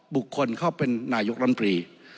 บุคคลเข้าเป็นนายกรัมปรี